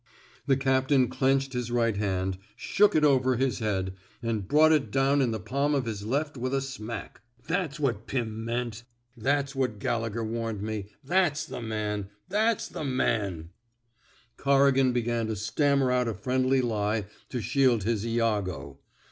The captain clenched his bright hand, shook it over his head, and brought it down^in the palm of his left with a smack. That's 277 THE SMOKE EATERS what Pirn meant! That's what Gallegher warned me! That's the man! That's the mani " Corrigan began to stammer out a friendly lie to shield his lago.